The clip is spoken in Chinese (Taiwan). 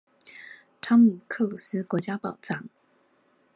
湯姆克魯斯國家寶藏